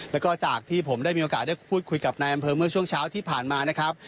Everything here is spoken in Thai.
แล้วก็จากที่ผมได้มีโอกาสได้พูดคุยกับนายอำเภอเมื่อช่วงเช้าที่ผ่านมานะครับ